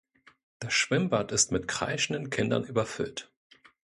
Das Schwimmbad ist mit kreischenden Kindern überfüllt.